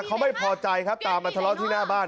เขาไม่พอใจครับตามมาทะเลาะที่หน้าบ้าน